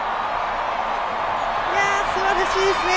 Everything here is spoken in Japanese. すばらしいですね！